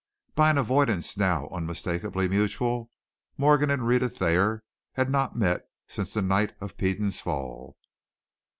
By an avoidance now unmistakably mutual, Morgan and Rhetta Thayer had not met since the night of Peden's fall.